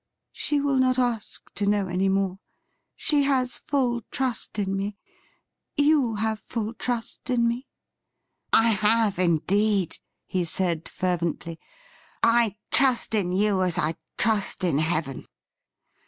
She will not ask to know any more. She has full trust in me — you have full trust in me ?''' I have indeed,' he said fervently. ' I trust in you as 1 trust in heaven.'